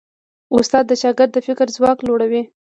استاد د شاګرد د فکر ځواک لوړوي.